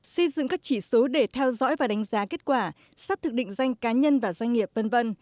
xây dựng các chỉ số để theo dõi và đánh giá kết quả xác thực định danh cá nhân và doanh nghiệp v v